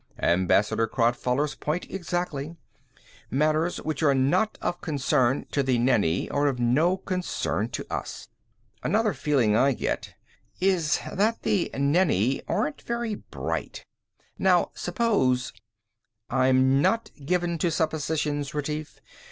Ambassador Crodfoller's point exactly. Matters which are not of concern to the Nenni are of no concern to us." "Another feeling I get is that the Nenni aren't very bright. Now suppose " "I'm not given to suppositions, Retief.